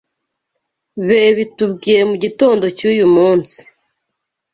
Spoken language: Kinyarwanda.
bebitubwiye mu gitondo cy,uyu munsi.